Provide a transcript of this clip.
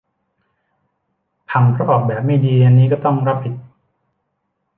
พังเพราะออกแบบไม่ดี อันนี้ก็ต้องรับผิด